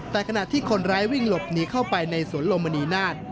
แต่ขณะที่คนร้ายวิ่งหลบหนีเข้าไปในสวนลมมณีนาฏ